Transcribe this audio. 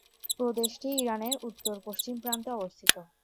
প্রদেশটি ইরানের উত্তর-পশ্চিম প্রান্তে অবস্থিত।